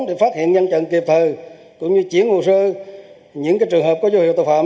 để phát hiện ngăn chặn kịp thời cũng như chuyển hồ sơ những trường hợp có dấu hiệu tội phạm